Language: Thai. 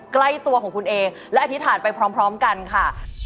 ใกล้ตัวของคุณเองและอธิษฐานไปพร้อมกันค่ะ